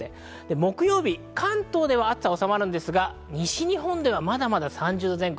木曜日、関東では暑さはおさまりますが、西日本ではまだまだ３０度前後。